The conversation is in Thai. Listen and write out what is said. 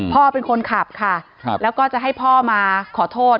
เป็นคนขับค่ะแล้วก็จะให้พ่อมาขอโทษ